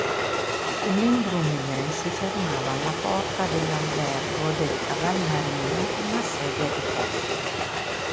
Sull'imbrunire si fermava alla porta dell'Albergo del Caval Marino una sedia di posta.